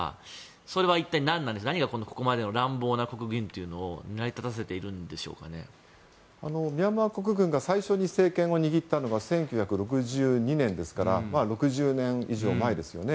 それは一体何がここまで乱暴なことをミャンマー国軍が最初に政権を握ったのは１９６２年ですから６０年以上前ですよね。